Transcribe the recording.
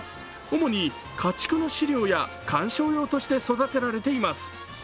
主に家畜の飼料や観賞用として育てられています。